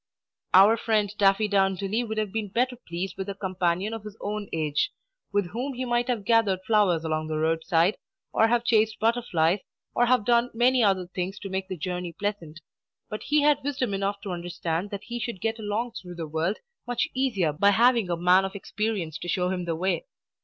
Our friend Daffydowndilly would have been better pleased with a companion of his own age, with whom he might have gathered flowers along the road side, or have chased butterflies, or have done many other things to make the journey pleasant. But he had wisdom enough to understand that he should get along through the world much easier by having a man of experience to show him the way.